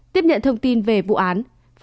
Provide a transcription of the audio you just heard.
tiếp nhận thông tin về vụ án